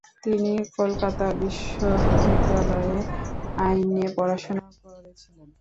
তিনি কলকাতা বিশ্ববিদ্যালয়ে আইন নিয়ে পড়াশোনা করেছিলেন।